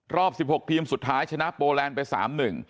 รอบ๑๖ทีมสุดท้ายชนะโปรแลนด์ไปที่๓๑